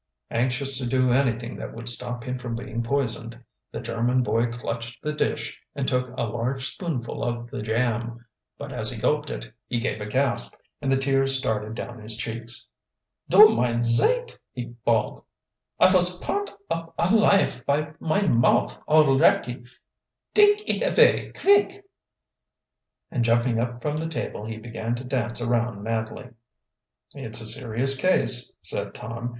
Anxious to do anything that would stop him from being poisoned, the German boy clutched the dish and took a large spoonful of the jam. But as he gulped it, he gave a gasp, and the tears started down his cheeks. "Du meine zeit!" he bawled. "I vos purnt up alife by mine mouth alretty! Dake it avay kvick!" And jumping up from the table he began to dance around madly. "It's a serious case," said Tom.